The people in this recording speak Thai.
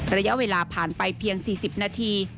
ระยะเวลาผ่านไปเพียง๔๐นาที